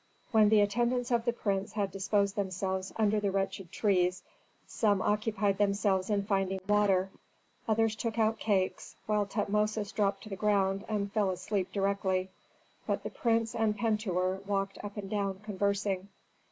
When the attendants of the prince had disposed themselves under the wretched trees, some occupied themselves in finding water; others took out cakes, while Tutmosis dropped to the ground and fell asleep directly. But the prince and Pentuer walked up and down conversing.